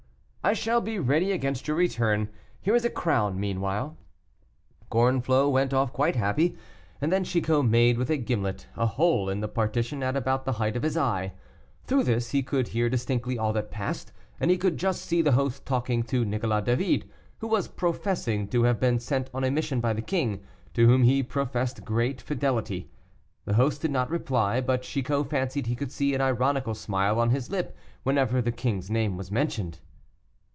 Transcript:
"I shall be ready against your return; here is a crown meanwhile." Gorenflot went off quite happy, and then Chicot made, with a gimlet, a hole in the partition at about the height of his eye. Through this, he could hear distinctly all that passed, and he could just see the host talking to Nicolas David, who was professing to have been sent on a mission by the king, to whom he professed great fidelity. The host did not reply, but Chicot fancied he could see an ironical smile on his lip whenever the king's name was mentioned.